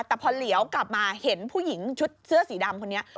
แต่พอเหลียวกลับมาเห็นผู้หญิงชุดเสื้อสีดำคนนี้